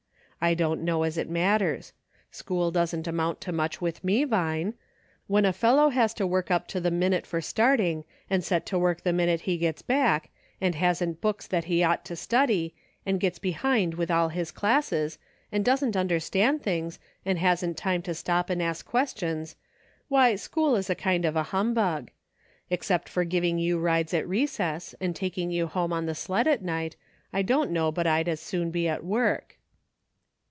I don't know as it matters. School doesn't amount to much with me. Vine. When a fellow has to work up to the minute for starting, and set to work the minute he gets back, and hasn't books that he ought to study, and gets behind with all his classes, and doesn't understand things, and hasn't time to stop and ask questions, why, school is a kind of a hum bug. Except for giving you rides at recess, and taking you home on the sled at night, I don't know but I'd as soon be at work."